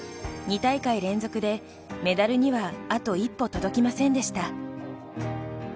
２大会連続で、メダルにはあと一歩届きませんでした。